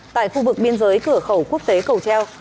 tại khu vực biên giới cửa khẩu quốc tế cầu treo